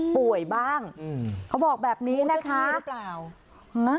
ป่วยบ้างอืมเขาบอกแบบนี้นะคะงูเจ้าที่หรือเปล่า